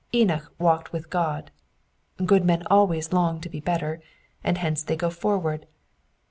Enoch walked with God. Good men always long to be better, and hence they go forward.